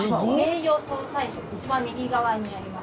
一番右側にあります。